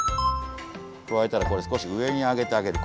くわえたらこれ少し上にあげてあげる。